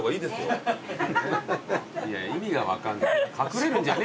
いや意味が分かんない。